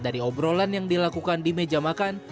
dari obrolan yang dilakukan di meja makan